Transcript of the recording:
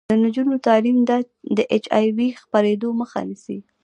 د نجونو تعلیم د اچ آی وي خپریدو مخه نیسي.